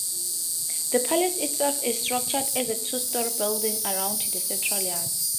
The palace itself is structured as a two-story building around the central yard.